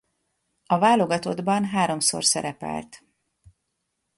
A válogatottban háromszor szerepelt.